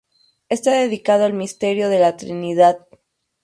Está dedicado al misterio de la Trinidad.